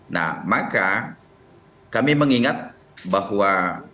nah maka kami mengingat bahwa